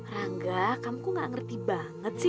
rangga kamu gak ngerti banget sih